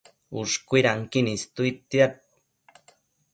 Ushcuidanquin istuidtia